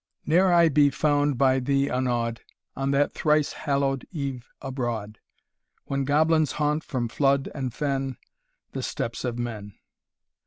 Ne'er be I found by thee unawed, On that thrice hallow'd eve abroad. When goblins haunt from flood and fen, The steps of men.